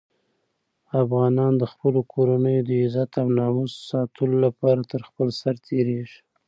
افغانان د خپلو کورنیو د عزت او ناموس ساتلو لپاره تر خپل سر تېرېږي.